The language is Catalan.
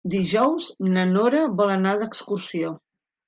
Dijous na Nora vol anar d'excursió.